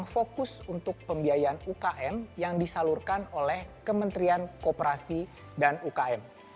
fokus untuk pembiayaan ukm yang disalurkan oleh kementerian kooperasi dan ukm